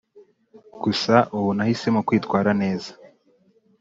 Gusa ubu nahisemo kwitwara neza